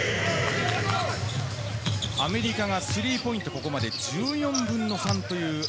アメリカがスリーポイント、ここまで１４分の３という。